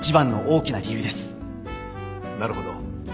なるほど。